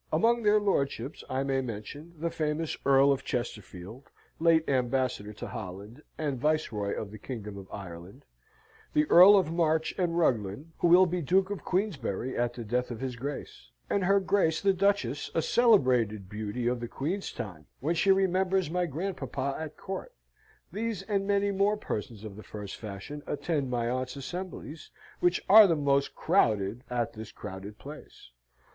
Among their lordships I may mention the famous Earl of Chesterfield, late Ambassador to Holland, and Viceroy of the Kingdom of Ireland; the Earl of March and Ruglen, who will be Duke of Queensberry at the death of his Grace; and her Grace the Duchess, a celebrated beauty of the Queen's time, when she remembers my grandpapa at Court. These and many more persons of the first fashion attend my aunt's assemblies, which are the most crowded at this crowded place.